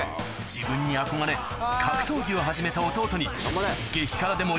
・自分に憧れ格闘技を始めた弟に・